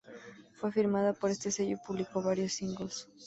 Fue firmada por este sello y publicó varios singles.